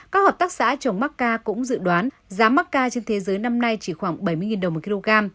các hợp tác xã trồng macca cũng dự đoán giá macca trên thế giới năm nay chỉ khoảng bảy mươi đồng một kg